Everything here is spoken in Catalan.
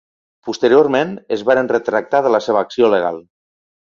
Posteriorment es varen retractar de la seva acció legal.